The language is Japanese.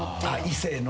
異性の？